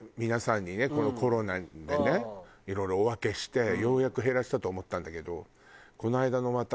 皆さんにねこのコロナでねいろいろお分けしてようやく減らしたと思ったんだけど。